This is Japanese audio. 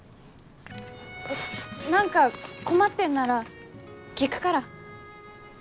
何か困ってんなら聞くから。